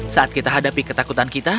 saat kita hadapi ketakutan kita